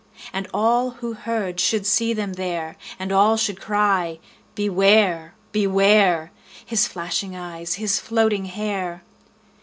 And all who heard should see them there, And all should cry, Beware! Beware! His flashing eyes, his floating hair!